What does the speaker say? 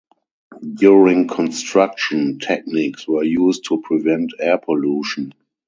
During construction, techniques were used to prevent air pollution.